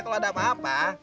kalau ada apa apa